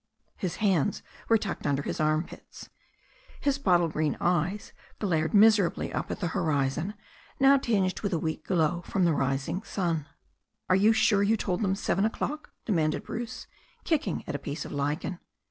His hands were tucked under his armpits. His bottle green eyes glared miserably up at the horizon, now tinged with a weak glow from the rising stm. "Are you sure you told them seven o'clock?" demanded Bruce, kicking at a piece of lichen.